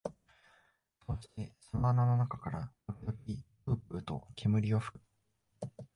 そうしてその穴の中から時々ぷうぷうと煙を吹く